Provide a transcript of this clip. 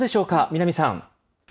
南さん。